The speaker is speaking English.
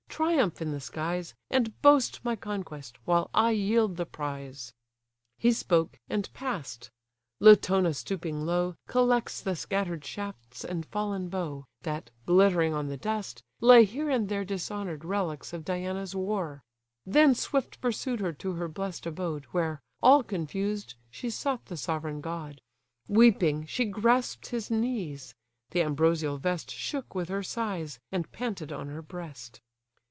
triumph in the skies, And boast my conquest, while I yield the prize." He spoke; and pass'd: Latona, stooping low, Collects the scatter'd shafts and fallen bow, That, glittering on the dust, lay here and there Dishonour'd relics of Diana's war: Then swift pursued her to her blest abode, Where, all confused, she sought the sovereign god; Weeping, she grasp'd his knees: the ambrosial vest Shook with her sighs, and panted on her breast.